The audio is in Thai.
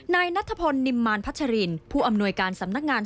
นายนัทพลนิมมารพัชรินผู้อำนวยการสำนักงาน